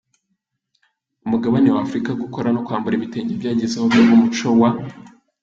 mugabane w’Afurika, gukora no kwambara ibitenge byagezeho biba umuco wa